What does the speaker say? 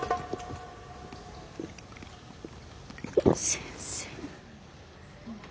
先生。